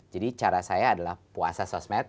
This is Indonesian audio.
jadi cara saya adalah puasa sosmed